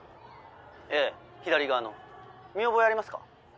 ええ左側の見覚えありますか？